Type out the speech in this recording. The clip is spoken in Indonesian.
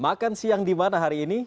makan siang dimana hari ini